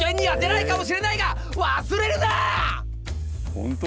本当？